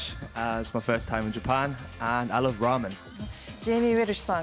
ジェイミー・ウェルチさん